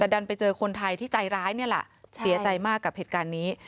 แต่ดันไปเจอคนไทยที่ใจร้ายนี่แหละเสียใจมากกับเหตุการณ์นี้